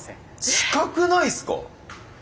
近くないっすか？